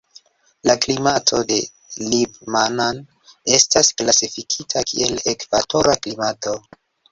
La klimato de Libmanan estas klasifikita kiel ekvatora klimato.